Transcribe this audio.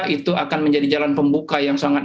itu akan menjadi jalan pembuka yang sangat